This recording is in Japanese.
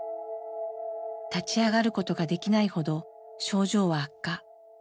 立ち上がることができないほど症状は悪化。